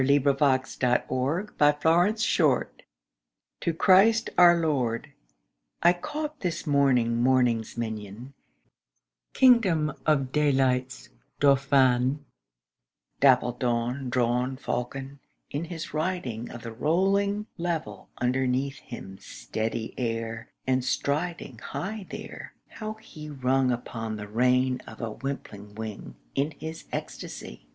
Gerard Manley Hopkins The Windhover: To Christ Our Lord I CAUGHT this morning morning's minion, king dom of daylight's dauphin, dapple dawn drawn Falcon, in his riding Of the rolling level underneath him steady air, and striding High there, how he rung upon the rein of a wimpling wing In his ecstasy!